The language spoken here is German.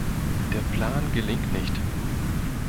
Der Plan gelingt nicht.